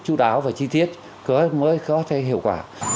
chú đáo và chi tiết mới có thể hiệu quả